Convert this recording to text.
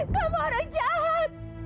kamu orang jahat